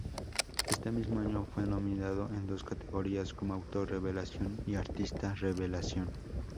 Este mismo año fue nominado en dos categorías, como Autor Revelación y Artista Revelación.